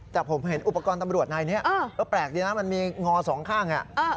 แต่ผมเห็นอุปกรณ์ตำรวจนายนี้แปลกดีนะมันมีงอสองข้าง